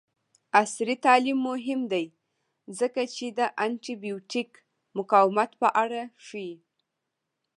عصري تعلیم مهم دی ځکه چې د انټي بایوټیک مقاومت په اړه ښيي.